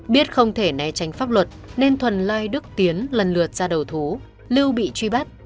biết không thể né tránh pháp luật nên thuần lai đức tiến lần lượt ra đầu thú lưu bị truy bắt